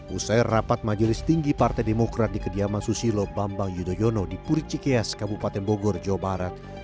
usai rapat majelis tinggi partai demokrat di kediaman susilo bambang yudhoyono di puricikeas kabupaten bogor jawa barat